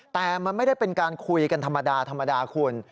แต่มันไม่ได้เป็นการคุยกันธรรมดาธรรมดาคุณ